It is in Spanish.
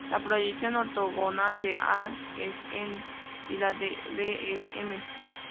La proyección ortogonal de "a"' es "n", y la de "b" es "m".